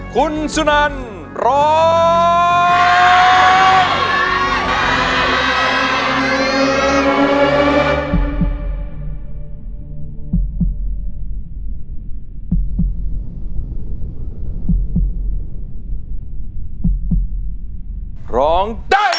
คุณสุนันร้อง